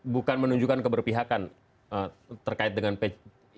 bukan menunjukkan keberpihakan terkait dengan peci putih